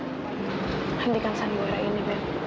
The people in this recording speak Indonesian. hentikan sandiwara ini